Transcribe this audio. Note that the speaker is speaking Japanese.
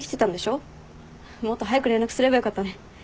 もっと早く連絡すればよかったね。